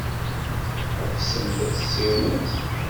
Tḥebsemt ad tessiwlemt.